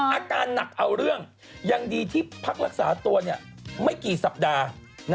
อาการหนักเอาเรื่องยังดีที่พักรักษาตัวไม่กี่สัปดาห์